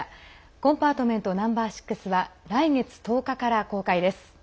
「コンパートメントＮｏ．６」は来月１０日から公開です。